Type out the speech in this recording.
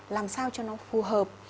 làm sao cho nó phù hợp